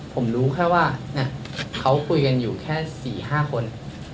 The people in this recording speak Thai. ผมรู้แค่ว่าเขาคุยกันอยู่แค่๔๕คน